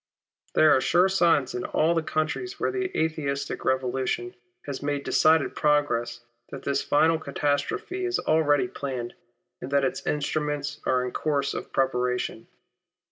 There are sure signs in all the countries where the Atheistic Revolution has made decided progress, that this final catastrophe is planned already, and that its instruments are in course of preparation.